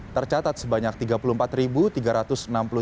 tercatat sebanyak tiga puluh empat tiga ratus menuju